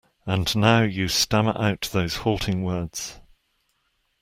And now you stammer out those halting words.